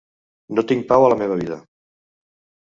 No tinc pau a la meva vida.